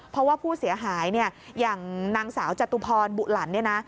เพราะว่าผู้เสียหายอย่างนางสาวจตุพรบุหลัน